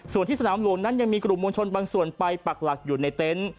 ส่วนที่สนามหลวงนั้นยังมีกลุ่มมวลชนบางส่วนไปปักหลักอยู่ในเต็นต์